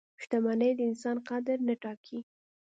• شتمني د انسان قدر نه ټاکي.